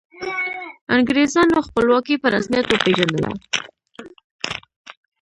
انګریزانو خپلواکي په رسمیت وپيژندله.